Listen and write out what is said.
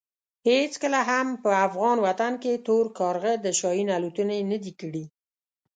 هېڅکله هم په افغان وطن کې تور کارغه د شاهین الوتنې نه دي کړې.